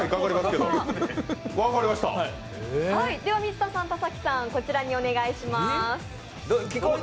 では水田さん、田崎さん、こちらにお願いします。